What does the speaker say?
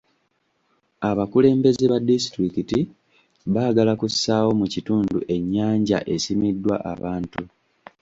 Abakulembeze ba disitulikiti baagala kussaawo mu kitundu ennyanja esimiddwa abantu.